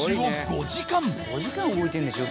「５時間動いてるんでしょ？